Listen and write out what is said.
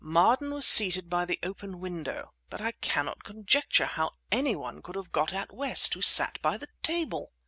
"Marden was seated by the open window, but I cannot conjecture how any one can have got at West, who sat by the table!"